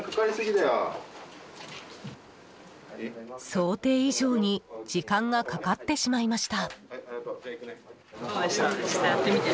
想定以上に時間がかかってしまいました。